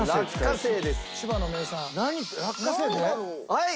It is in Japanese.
はい。